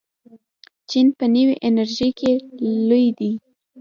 چین په نوې انرژۍ کې لوی دی.